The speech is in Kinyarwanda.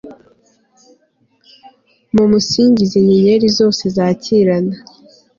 mumusingize, nyenyeri zose zakirana